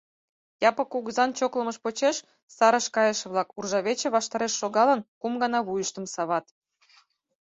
Япык кугызан чоклымыж почеш сарыш кайыше-влак, уржавече ваштареш шогалын, кум гана вуйыштым сават.